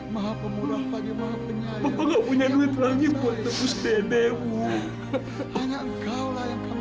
bapak juga nggak tahu bagaimana pak